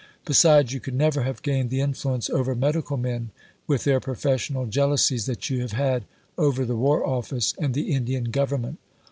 Besides you could never have gained the influence over medical men with their professional jealousies that you have had over the War Office and the Indian Government.